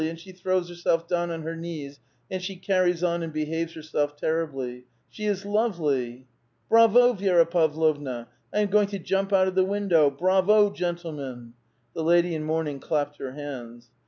'* and she throws herself down on her knees and she carries on and behaves herself terriblj'. She is lovely !" Bravo, Vi^ra Pavlovna! "I am going to jump out of the window ! Bravo, gentlemen !" The lady in mourning clapped her hands.